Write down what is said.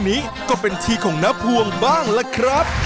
นี้ก็เป็นทีของน้าพวงบ้างล่ะครับ